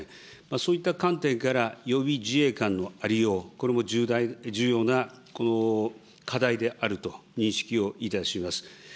そういった観点から予備自衛官のありよう、これも重要な課題であると認識をいたします。